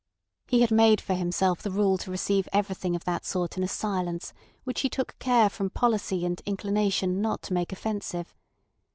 He had made for himself the rule to receive everything of that sort in a silence which he took care from policy and inclination not to make offensive.